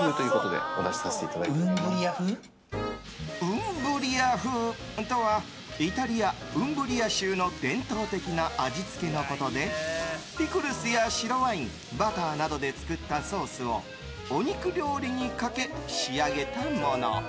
ウンブリア風とはイタリア・ウンブリア州の伝統的な味付けのことでピクルスや白ワインバターなどで作ったソースをお肉料理にかけ、仕上げたもの。